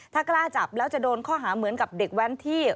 ถ้ากล้าจับแล้วจะโดนข้อหาเหมือนกับเด็กแว้นที่